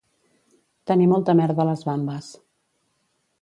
Tenir molta merda a les bambes